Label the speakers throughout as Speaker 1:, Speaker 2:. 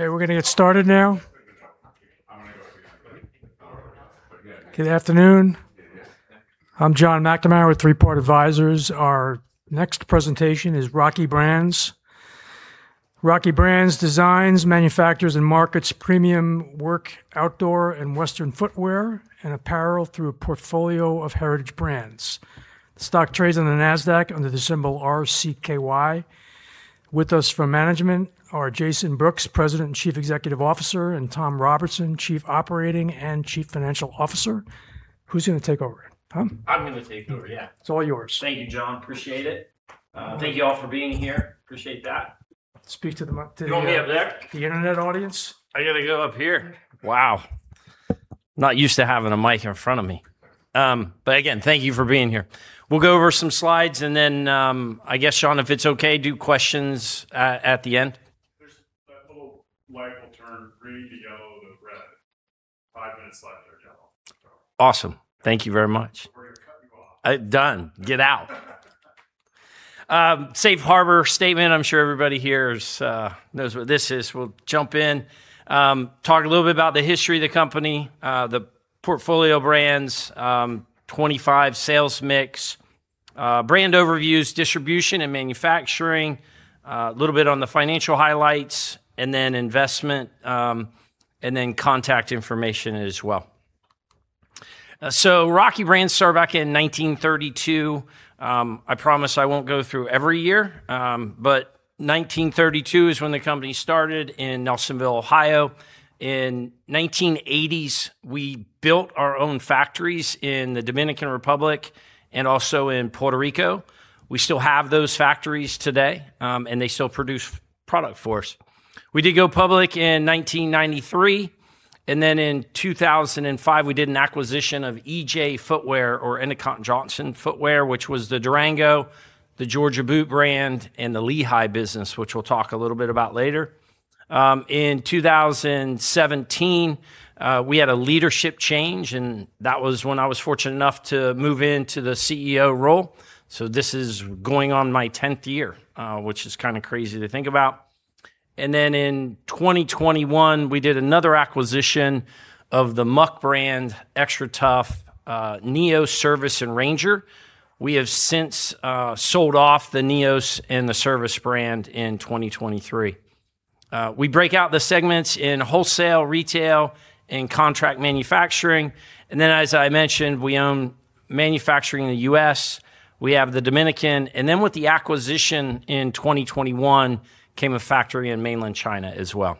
Speaker 1: Okay, we're going to get started now. Good afternoon. I'm John McNamara with Three Part Advisors. Our next presentation is Rocky Brands. Rocky Brands designs, manufactures, and markets premium work, outdoor, and Western footwear and apparel through a portfolio of heritage brands. The stock trades on the Nasdaq under the symbol RCKY. With us from management are Jason Brooks, President and Chief Executive Officer, and Tom Robertson, Chief Operating and Chief Financial Officer. Who's going to take over? Tom?
Speaker 2: I'm going to take over, yeah.
Speaker 1: It's all yours.
Speaker 2: Thank you, John. Appreciate it. Thank you all for being here. Appreciate that.
Speaker 1: Speak to the-
Speaker 2: You want me up there?
Speaker 1: the internet audience.
Speaker 2: I got to go up here. Wow. Not used to having a mic in front of me. Again, thank you for being here. We'll go over some slides and then, I guess, John, if it's okay, do questions at the end? Awesome. Thank you very much. I've done. Get out. Safe harbor statement, I'm sure everybody here knows what this is. We'll jump in, talk a little bit about the history of the company, the portfolio brands, 25 sales mix, brand overviews, distribution, and manufacturing, a little bit on the financial highlights, investment, and contact information as well. Rocky Brands started back in 1932. I promise I won't go through every year, but 1932 is when the company started in Nelsonville, Ohio. In the 1980s, we built our own factories in the Dominican Republic and also in Puerto Rico. We still have those factories today, and they still produce product for us. We did go public in 1993, and in 2005, we did an acquisition of EJ Footwear or Endicott Johnson Footwear, which was the Durango, the Georgia Boot brand, and the Lehigh business, which we'll talk a little bit about later. In 2017, we had a leadership change, and that was when I was fortunate enough to move into the CEO role, this is going on my 10th year, which is kind of crazy to think about. In 2021, we did another acquisition of the Muck brand, XTRATUF, NEOS, Servus, and Ranger. We have since sold off the NEOS and the Servus brand in 2023. We break out the segments in wholesale, retail, and contract manufacturing, and as I mentioned, we own manufacturing in the U.S., we have the Dominican, and with the acquisition in 2021 came a factory in mainland China as well.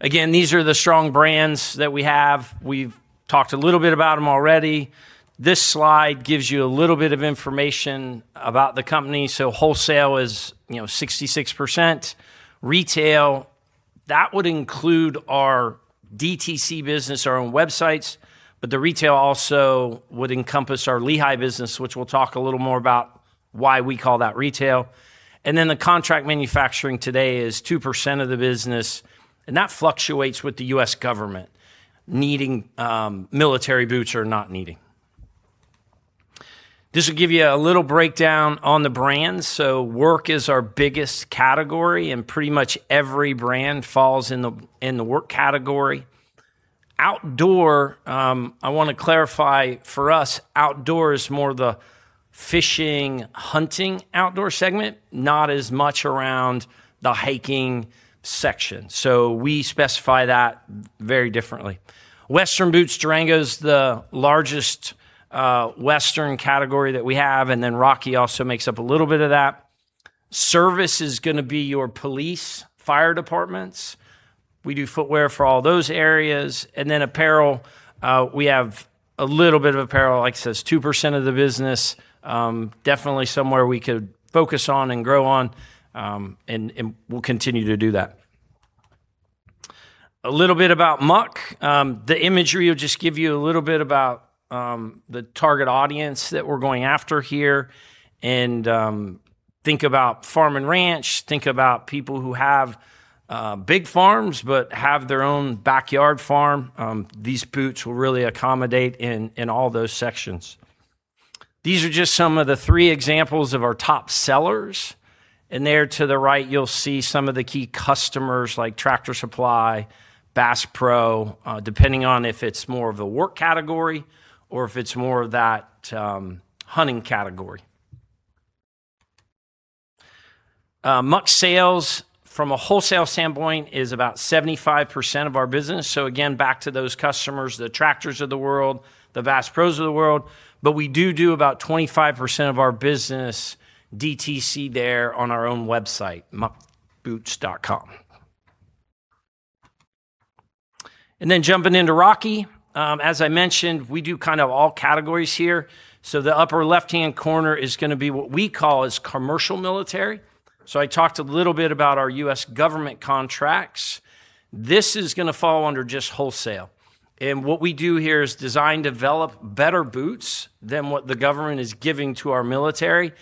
Speaker 2: Again, these are the strong brands that we have. We've talked a little bit about them already. This slide gives you a little bit of information about the company. Wholesale is 66%. Retail, that would include our DTC business, our own websites, but the retail also would encompass our Lehigh business, which we'll talk a little more about why we call that retail. The contract manufacturing today is 2% of the business, and that fluctuates with the U.S. government, needing military boots or not needing. This will give you a little breakdown on the brands. Work is our biggest category, and pretty much every brand falls in the work category. Outdoor, I want to clarify for us, outdoor is more the fishing, hunting outdoor segment, not as much around the hiking section. We specify that very differently. Western boots, Durango's the largest Western category that we have, and Rocky also makes up a little bit of that. Service is going to be your police, fire departments. We do footwear for all those areas. Apparel, we have a little bit of apparel, like I said, it's 2% of the business. Definitely somewhere we could focus on and grow on, and we'll continue to do that. A little bit about Muck. The imagery will just give you a little bit about the target audience that we're going after here, and think about farm and ranch, think about people who have big farms but have their own backyard farm. These boots will really accommodate in all those sections. These are just some of the three examples of our top sellers, and there to the right, you'll see some of the key customers like Tractor Supply, Bass Pro, depending on if it's more of the work category or if it's more of that hunting category. Muck sales from a wholesale standpoint is about 75% of our business. Again, back to those customers, the Tractors of the world, the Bass Pros of the world, but we do do about 25% of our business DTC there on our own website, muckboots.com. Jumping into Rocky, as I mentioned, we do kind of all categories here. The upper left-hand corner is going to be what we call is commercial military. I talked a little bit about our U.S. government contracts. This is going to fall under just wholesale. What we do here is design, develop better boots than what the government is giving to our military,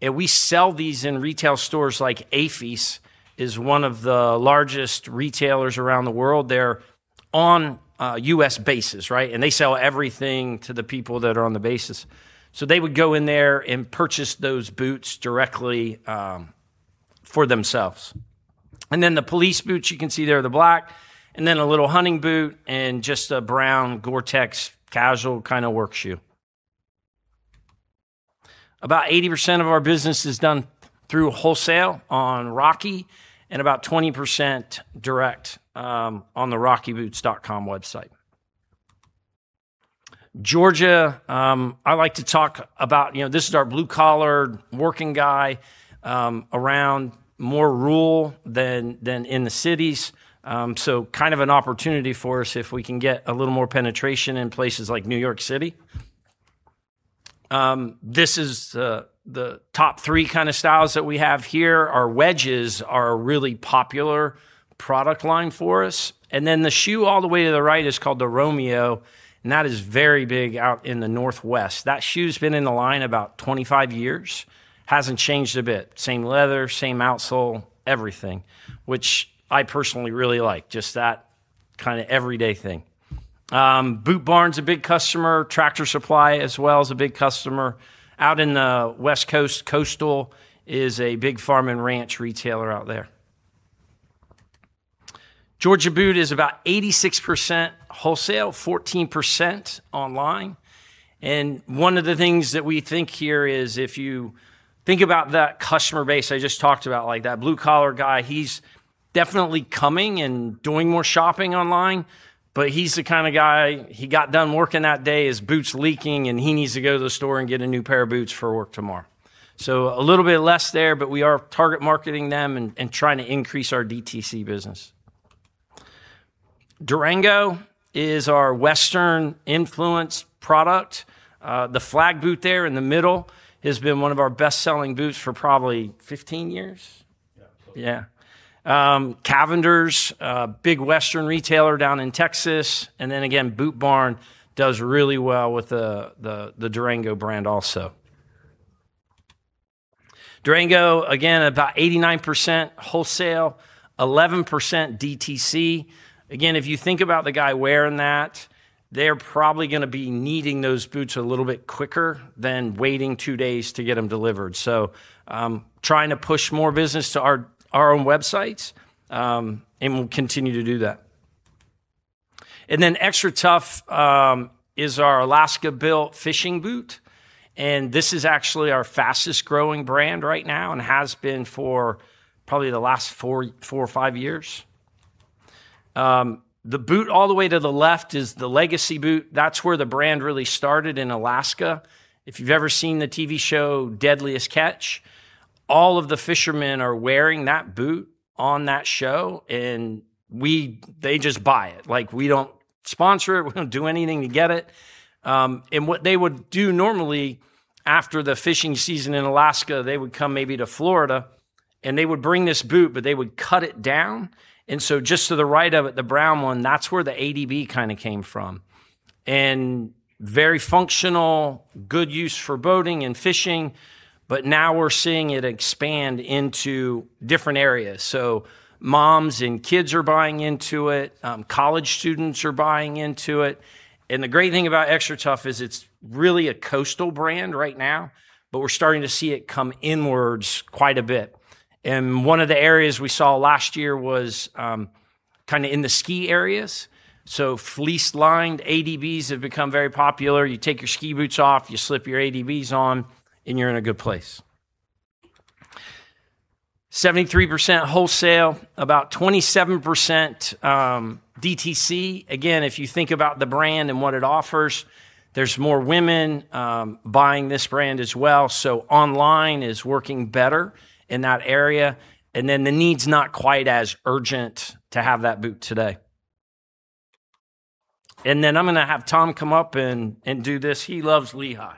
Speaker 2: and we sell these in retail stores like AAFES is one of the largest retailers around the world there on U.S. bases, right? They sell everything to the people that are on the bases. They would go in there and purchase those boots directly for themselves. The police boots, you can see there, the black, a little hunting boot, just a brown Gore-Tex casual kind of work shoe. About 80% of our business is done through wholesale on Rocky and about 20% direct on the rockyboots.com website. Georgia, I like to talk about, this is our blue-collar working guy, around more rural than in the cities. Kind of an opportunity for us if we can get a little more penetration in places like New York City. This is the top three kind of styles that we have here. Our wedges are a really popular product line for us. The shoe all the way to the right is called the Romeo, and that is very big out in the Northwest. That shoe's been in the line about 25 years, hasn't changed a bit. Same leather, same outsole, everything, which I personally really like, just that kind of everyday thing. Boot Barn's a big customer. Tractor Supply as well is a big customer. Out in the West Coast, Coastal is a big farm and ranch retailer out there. Georgia Boot is about 86% wholesale, 14% online. One of the things that we think here is if you think about that customer base I just talked about, like that blue-collar guy, he's definitely coming and doing more shopping online, he's the kind of guy, he got done working that day, his boot's leaking, he needs to go to the store and get a new pair of boots for work tomorrow. A little bit less there, but we are target marketing them and trying to increase our DTC business. Durango is our Western-influenced product. The flag boot there in the middle has been one of our best-selling boots for probably 15 years.
Speaker 3: Yeah, close.
Speaker 2: Yeah. Cavender's, a big Western retailer down in Texas. Boot Barn does really well with the Durango brand also. Durango, again, about 89% wholesale, 11% DTC. Again, if you think about the guy wearing that, they're probably going to be needing those boots a little bit quicker than waiting two days to get them delivered. Trying to push more business to our own websites, and we'll continue to do that. XTRATUF is our Alaska-built fishing boot, and this is actually our fastest-growing brand right now and has been for probably the last four or five years. The boot all the way to the left is the Legacy boot. That's where the brand really started in Alaska. If you've ever seen the TV show "Deadliest Catch," all of the fishermen are wearing that boot on that show. They just buy it. We don't sponsor it. We don't do anything to get it. What they would do normally after the fishing season in Alaska, they would come maybe to Florida, and they would bring this boot, but they would cut it down. Just to the right of it, the brown one, that's where the ADV kind of came from. Very functional, good use for boating and fishing, but now we're seeing it expand into different areas. Moms and kids are buying into it. College students are buying into it. The great thing about XTRATUF is it's really a coastal brand right now, but we're starting to see it come inwards quite a bit. One of the areas we saw last year was in the ski areas, fleece-lined ADVs have become very popular. You take your ski boots off, you slip your ADVs on, you're in a good place. 73% wholesale, about 27% DTC. Again, if you think about the brand and what it offers, there's more women buying this brand as well. Online is working better in that area. The need's not quite as urgent to have that boot today. I'm going to have Tom come up and do this. He loves Lehigh.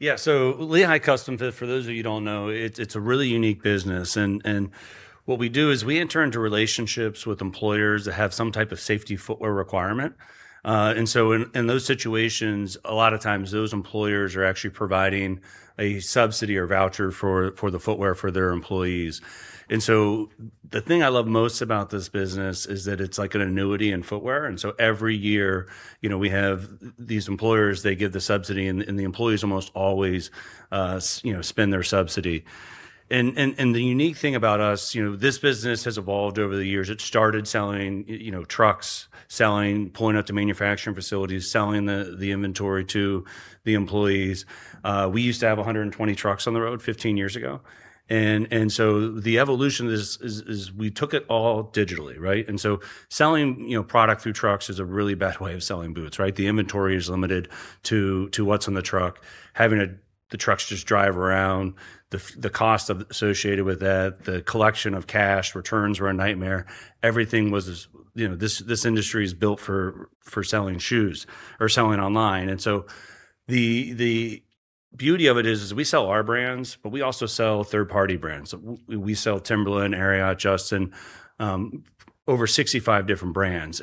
Speaker 3: Yeah. Lehigh CustomFit, for those of you who don't know, it's a really unique business. What we do is we enter into relationships with employers that have some type of safety footwear requirement. In those situations, a lot of times, those employers are actually providing a subsidy or voucher for the footwear for their employees. The thing I love most about this business is that it's like an annuity in footwear, every year, we have these employers, they give the subsidy, and the employees almost always spend their subsidy. The unique thing about us, this business has evolved over the years. It started selling trucks, pulling up to manufacturing facilities, selling the inventory to the employees. We used to have 120 trucks on the road 15 years ago. The evolution is we took it all digitally, right? Selling product through trucks is a really bad way of selling boots, right? The inventory is limited to what's on the truck. Having the trucks just drive around, the cost associated with that, the collection of cash, returns were a nightmare. This industry is built for selling shoes or selling online, the beauty of it is we sell our brands, but we also sell third-party brands. We sell Timberland, Ariat, Justin, over 65 different brands.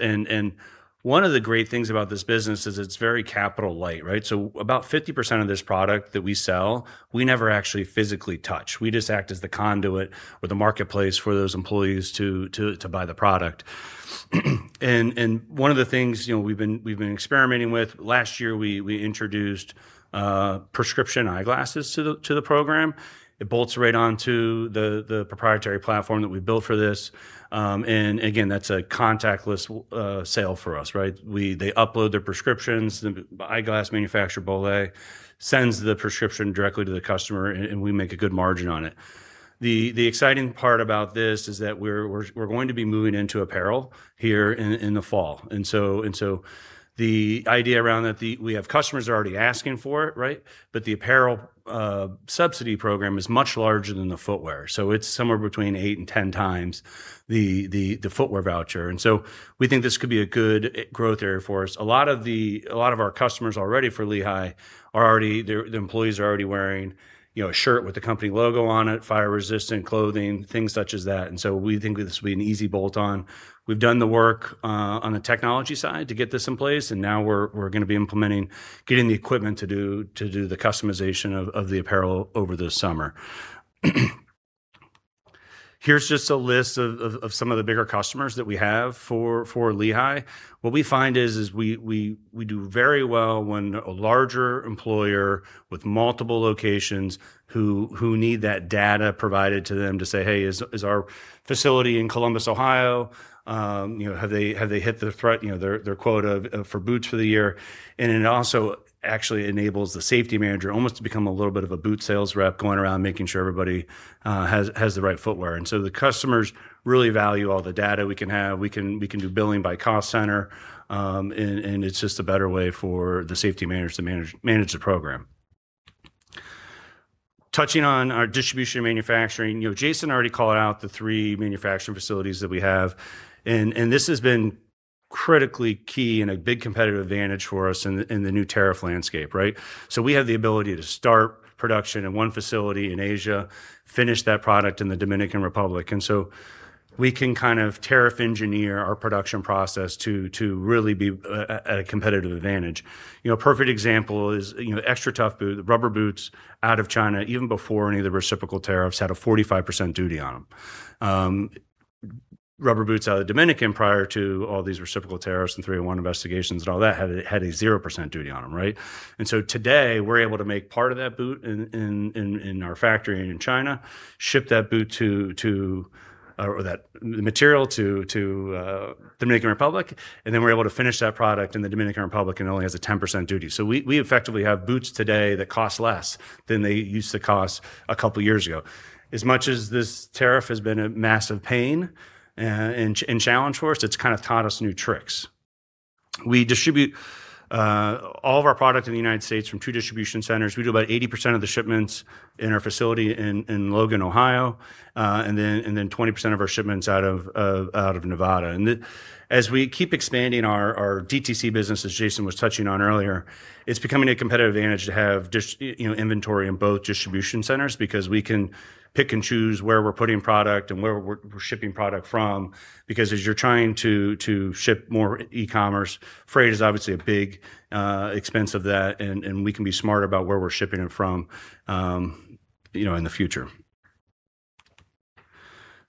Speaker 3: One of the great things about this business is it's very capital light, right? About 50% of this product that we sell, we never actually physically touch. We just act as the conduit or the marketplace for those employees to buy the product. One of the things we've been experimenting with, last year, we introduced prescription eyeglasses to the program. It bolts right onto the proprietary platform that we built for this. Again, that's a contactless sale for us, right? They upload their prescriptions, the eyeglass manufacturer, Bollé, sends the prescription directly to the customer, we make a good margin on it. The exciting part about this is that we're going to be moving into apparel here in the fall. The idea around that, we have customers already asking for it, right? The apparel subsidy program is much larger than the footwear. It's somewhere between eight and 10 times the footwear voucher, we think this could be a good growth area for us. A lot of our customers already for Lehigh, the employees are already wearing a shirt with the company logo on it, fire-resistant clothing, things such as that. We think this will be an easy bolt-on. We've done the work on the technology side to get this in place. Now we're going to be implementing getting the equipment to do the customization of the apparel over the summer. Here's just a list of some of the bigger customers that we have for Lehigh. What we find is, we do very well when a larger employer with multiple locations who need that data provided to them to say, "Hey, is our facility in Columbus, Ohio, have they hit their quota for boots for the year?" It also actually enables the safety manager almost to become a little bit of a boot sales rep going around, making sure everybody has the right footwear. The customers really value all the data we can have. We can do billing by cost center. It's just a better way for the safety managers to manage the program. Touching on our distribution and manufacturing, Jason already called out the three manufacturing facilities that we have. This has been critically key and a big competitive advantage for us in the new tariff landscape, right? We have the ability to start production in one facility in Asia, finish that product in the Dominican Republic. We can kind of tariff engineer our production process to really be at a competitive advantage. A perfect example is the XTRATUF boot, the rubber boots out of China, even before any of the reciprocal tariffs, had a 45% duty on them. Rubber boots out of the Dominican, prior to all these reciprocal tariffs and 301 investigations and all that, had a 0% duty on them, right? Today, we're able to make part of that boot in our factory in China, ship that boot, or the material to Dominican Republic. Then we're able to finish that product in the Dominican Republic, and it only has a 10% duty. We effectively have boots today that cost less than they used to cost a couple of years ago. As much as this tariff has been a massive pain and challenge for us, it's kind of taught us new tricks. We distribute all of our product in the U.S. from two distribution centers. We do about 80% of the shipments in our facility in Logan, Ohio. Then 20% of our shipments out of Nevada. As we keep expanding our DTC business, as Jason was touching on earlier, it's becoming a competitive advantage to have inventory in both distribution centers because we can pick and choose where we're putting product and where we're shipping product from. As you're trying to ship more e-commerce, freight is obviously a big expense of that. We can be smarter about where we're shipping it from in the future.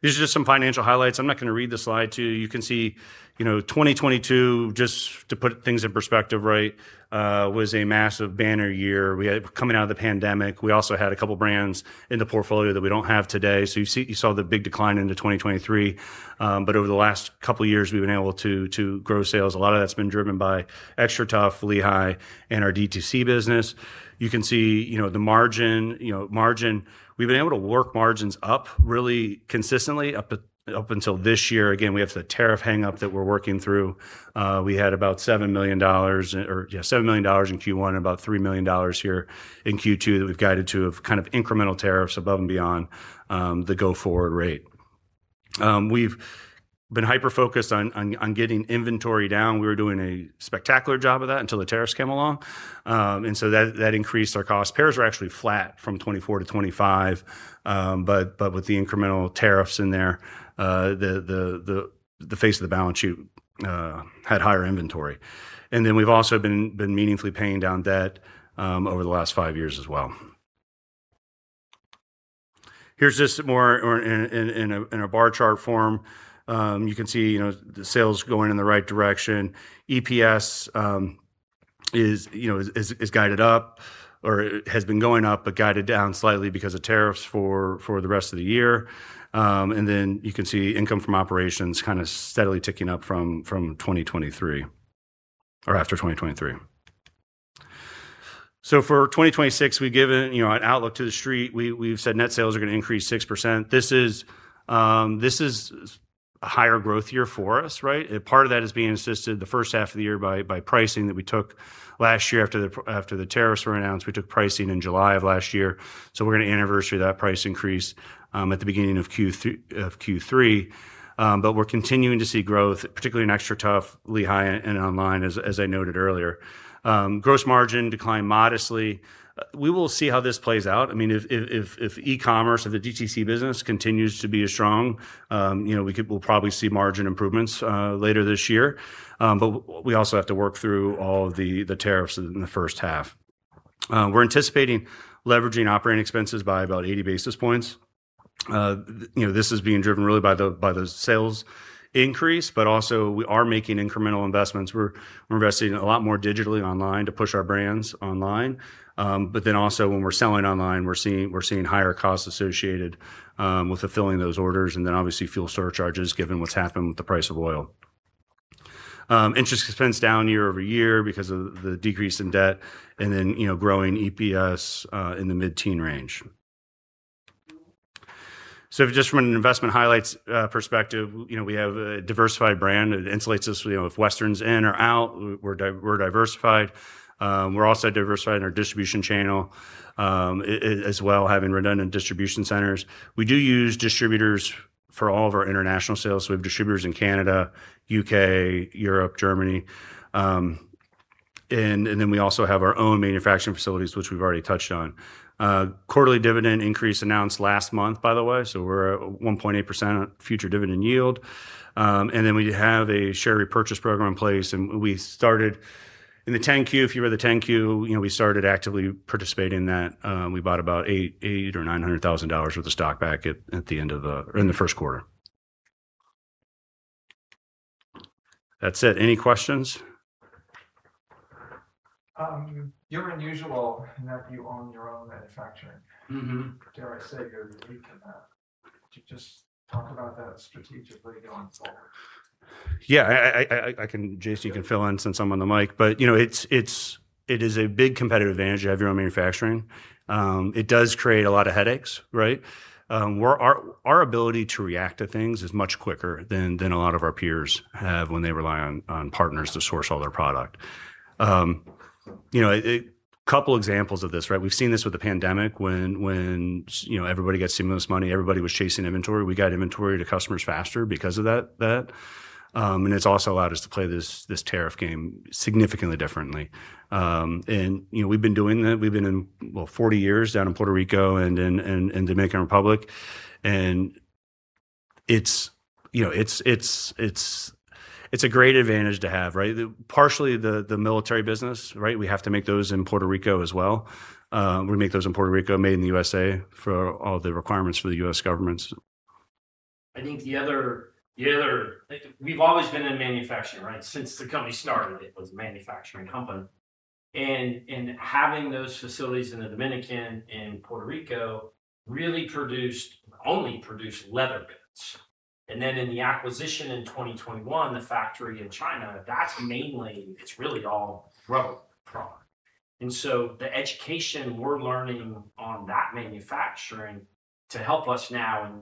Speaker 3: These are just some financial highlights. I'm not going to read the slide to you. You can see 2022, just to put things in perspective, right, was a massive banner year. We were coming out of the pandemic. We also had a couple of brands in the portfolio that we don't have today. You saw the big decline into 2023. Over the last couple of years, we've been able to grow sales. A lot of that's been driven by XTRATUF, Lehigh, and our DTC business. You can see the margin. We've been able to work margins up really consistently up until this year. We have the tariff hang-up that we're working through. We had about $7 million in Q1 and about $3 million here in Q2 that we've guided to of kind of incremental tariffs above and beyond the go-forward rate. We've been hyper-focused on getting inventory down. We were doing a spectacular job of that until the tariffs came along, that increased our cost. Pairs were actually flat from 2024-2025. With the incremental tariffs in there, the face of the balance sheet had higher inventory. We've also been meaningfully paying down debt over the last five years as well. Here's this in a bar chart form. You can see the sales going in the right direction. EPS is guided up, or has been going up, but guided down slightly because of tariffs for the rest of the year. You can see income from operations kind of steadily ticking up from 2023, or after 2023. For 2026, we've given an outlook to The Street. We've said net sales are going to increase 6%. This is a higher growth year for us. Part of that is being assisted the first half of the year by pricing that we took last year after the tariffs were announced. We took pricing in July of last year, we're going to anniversary that price increase at the beginning of Q3. We're continuing to see growth, particularly in XTRATUF, Lehigh, and online, as I noted earlier. Gross margin declined modestly. We will see how this plays out. If e-commerce, if the DTC business continues to be as strong, we'll probably see margin improvements later this year. We also have to work through all of the tariffs in the first half. We're anticipating leveraging operating expenses by about 80 basis points. This is being driven really by the sales increase, but also we are making incremental investments. We're investing a lot more digitally online to push our brands online. When we're selling online, we're seeing higher costs associated with fulfilling those orders, fuel surcharges given what's happened with the price of oil. Interest expense down year-over-year because of the decrease in debt, growing EPS in the mid-teen range. Just from an investment highlights perspective, we have a diversified brand. It insulates us if Western's in or out, we're diversified. We're also diversified in our distribution channel as well, having redundant distribution centers. We do use distributors for all of our international sales. We have distributors in Canada, U.K., Europe, Germany, we also have our own manufacturing facilities, which we've already touched on. Quarterly dividend increase announced last month, by the way, we're at 1.8% future dividend yield. We have a share repurchase program in place, we started in the 10-Q. If you read the 10-Q, we started actively participating in that. We bought about $800,000 or $900,000 worth of stock back in the first quarter. That's it. Any questions?
Speaker 4: You're unusual in that you own your own manufacturing. Dare I say you're unique in that. Just talk about that strategically going forward.
Speaker 3: Yeah. Jason, you can fill in since I'm on the mic. It is a big competitive advantage to have your own manufacturing. It does create a lot of headaches. Our ability to react to things is much quicker than a lot of our peers have when they rely on partners to source all their product. A couple examples of this. We've seen this with the pandemic when everybody got stimulus money, everybody was chasing inventory. We got inventory to customers faster because of that. It's also allowed us to play this tariff game significantly differently. We've been doing that, we've been in, well, 40 years down in Puerto Rico and Dominican Republic, and it's a great advantage to have. Partially the military business, we have to make those in Puerto Rico as well. We make those in Puerto Rico made in the USA for all the requirements for the U.S. government.
Speaker 2: I think we've always been in manufacturing. Since the company started, it was a manufacturing company, and having those facilities in the Dominican and Puerto Rico really produced, only produced leather goods. In the acquisition in 2021, the factory in China, that's mainly, it's really all rubber product. The education we're learning on that manufacturing to help us now,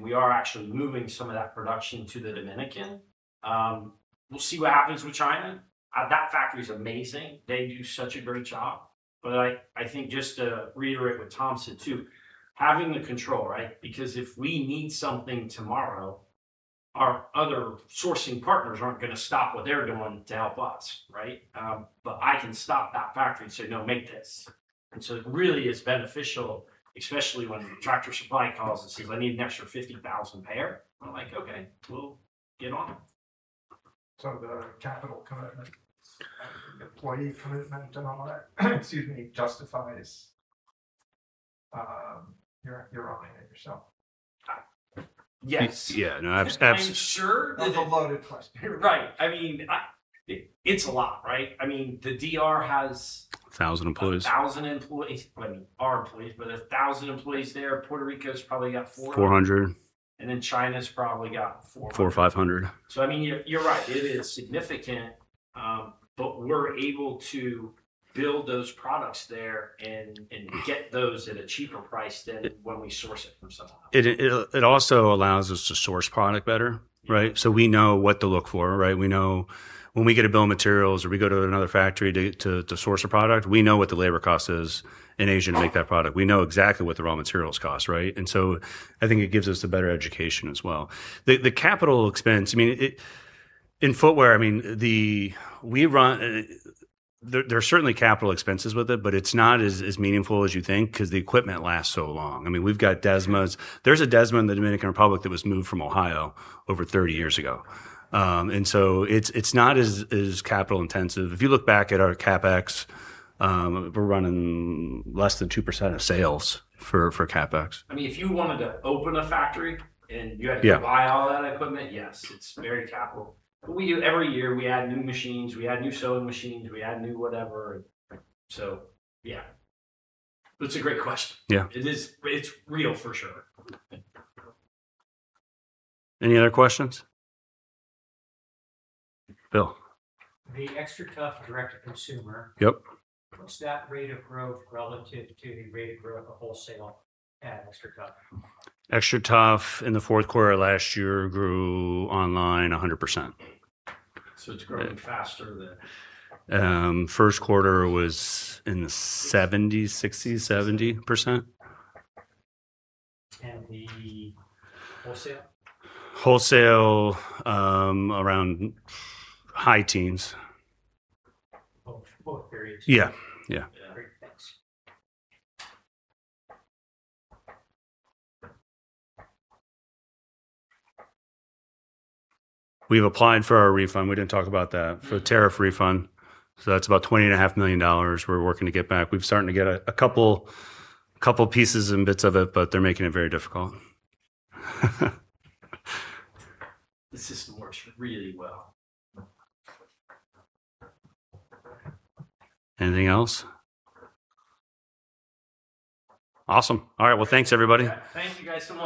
Speaker 2: we are actually moving some of that production to the Dominican. We'll see what happens with China. That factory's amazing. They do such a great job. I think just to reiterate what Tom said, too, having the control, because if we need something tomorrow, our other sourcing partners aren't going to stop what they're doing to help us. I can stop that factory and say, "No, make this." It really is beneficial, especially when Tractor Supply calls and says, "I need an extra 50,000 pair." I'm like, "Okay, we'll get on it.
Speaker 4: The capital commitment, employee commitment, and all that excuse me, justifies your owning it yourself?
Speaker 2: Yes.
Speaker 3: Yeah, no.
Speaker 2: I'm sure-
Speaker 4: That's a loaded question.
Speaker 2: Right. It's a lot.
Speaker 3: 1,000 employees.
Speaker 2: 1,000 employees. I mean, our employees, but 1,000 employees there. Puerto Rico's probably got 400.
Speaker 3: 400.
Speaker 2: China's probably got 400.
Speaker 3: 400 or 500.
Speaker 2: You're right, it is significant. We're able to build those products there and get those at a cheaper price than when we source it from someone else.
Speaker 3: It also allows us to source product better.
Speaker 2: Yeah.
Speaker 3: We know what to look for. We know when we get a bill of materials, or we go to another factory to source a product, we know what the labor cost is in Asia to make that product. We know exactly what the raw materials cost. I think it gives us a better education as well. The capital expense, in footwear, there are certainly capital expenses with it, but it's not as meaningful as you think because the equipment lasts so long. We've got DESMAs. There's a DESMA in the Dominican Republic that was moved from Ohio over 30 years ago. It's not as capital intensive. If you look back at our CapEx, we're running less than 2% of sales for CapEx.
Speaker 2: If you wanted to open a factory, you had.
Speaker 3: Yeah.
Speaker 2: To buy all that equipment, yes, it's very capital. Every year we add new machines, we add new sewing machines, we add new whatever. Yeah. It's a great question.
Speaker 3: Yeah.
Speaker 2: It's real, for sure.
Speaker 3: Any other questions? Bill.
Speaker 5: The XTRATUF direct to consumer.
Speaker 3: Yep.
Speaker 5: What's that rate of growth relative to the rate of growth of wholesale at XTRATUF?
Speaker 3: XTRATUF in the fourth quarter of last year grew online 100%. It's growing faster than- First quarter was in the 70%, 60, 70%.
Speaker 5: The wholesale?
Speaker 3: Wholesale around high teens.
Speaker 5: Both periods?
Speaker 3: Yeah.
Speaker 5: Great, thanks.
Speaker 3: We've applied for our refund, we didn't talk about that, for the tariff refund. That's about $20.5 million we're working to get back. We're starting to get a couple pieces and bits of it, but they're making it very difficult.
Speaker 2: The system works really well.
Speaker 3: Anything else? Awesome. All right, well, thanks, everybody.
Speaker 2: Thank you, guys so much.